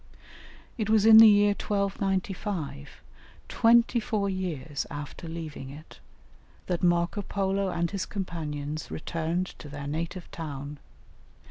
It was in the year 1295, twenty four years after leaving it, that Marco Polo and his companions returned to their native town.